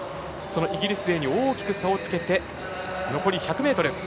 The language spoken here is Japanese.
イギリス勢に大きく差をつけて残り１００ｍ。